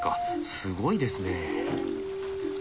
すごいですね。